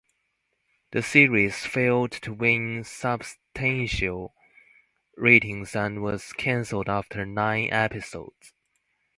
The series failed to win substantial ratings and was cancelled after nine episodes.